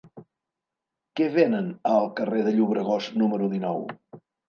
Què venen al carrer del Llobregós número dinou?